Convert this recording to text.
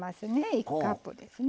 １カップですね。